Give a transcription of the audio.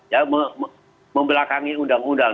ya membelakangi undang undang